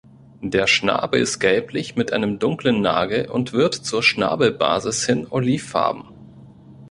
Der Schnabel ist gelblich mit einem dunklen Nagel und wird zur Schnabelbasis hin olivfarben.